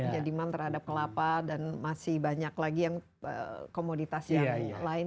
jadi mantra ada kelapa dan masih banyak lagi yang komoditas yang lain